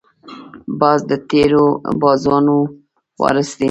باز د تېرو بازانو وارث دی